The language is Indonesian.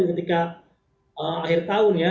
ketika akhir tahun ya